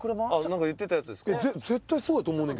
「なんか言ってたやつですか？」